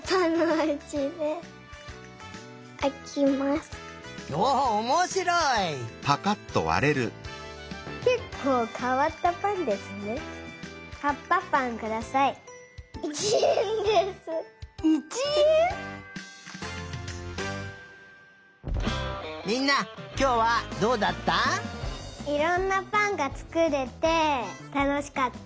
いろんなぱんがつくれてたのしかった。